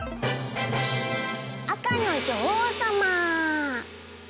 赤の女王様！